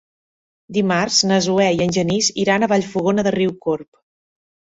Dimarts na Zoè i en Genís iran a Vallfogona de Riucorb.